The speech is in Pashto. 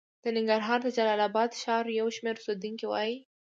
د ننګرهار د جلال اباد ښار یو شمېر اوسېدونکي وايي